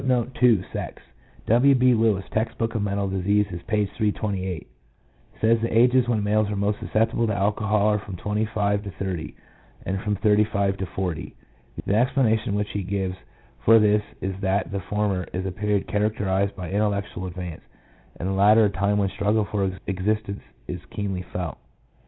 xi. pp. 332L 2 W. B. Lewis, Text book of Mental Diseases, p. 328, says the ages when males are most susceptible to alcohol are from twenty five to thirty, and from thirty five to forty. The explanation which he gives for this is that the former is a period characterised by intellectual advance, and the latter a time when the struggle for existence is most keenly felt.